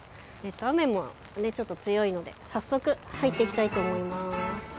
雨がちょっと強いので早速入っていきたいと思います。